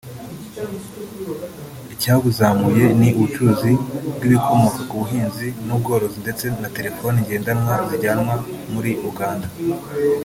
Icyabuzamuye ni ubucuruzi bw’ibikomoka ku buhinzi n’ubworozi ndetse na telefoni ngendanwa zijyanwa muri Uganda